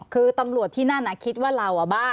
คือตำรวจที่นั่นคิดว่าเราอ่ะบ้า